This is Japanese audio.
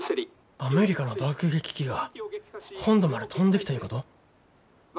アメリカの爆撃機が本土まで飛んできたいうこと？